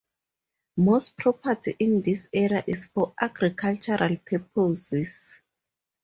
Most property in this area is for agricultural purposes.